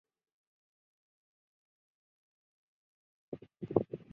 他也是中共党史上最年轻的中央委员。